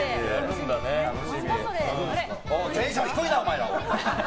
テンション低いな、お前ら！